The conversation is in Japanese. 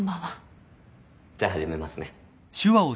じゃあ始めますね。